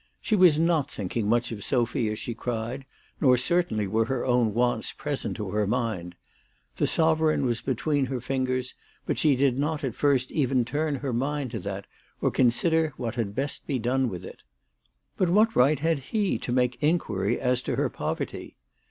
She was not thinking much of Sophy as she cried, nor certainly were her own wants present to her mind. The sovereign was between her fingers, but she did not at first even turn her mind to that, or consider what had best be done with it. But what right had he to make inquiry as to her poverty